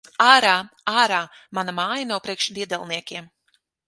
Ārā! Ārā! Mana māja nav priekš diedelniekiem!